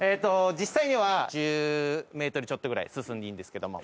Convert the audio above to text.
実際には１０メートルちょっとぐらい進んでいいんですけども。